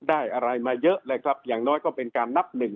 ได้อะไรมาเยอะเลยครับอย่างน้อยก็เป็นการนับหนึ่ง